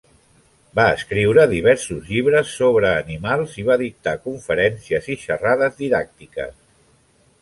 Va escriure diversos llibres sobre animals i va dictar conferències i xerrades didàctiques.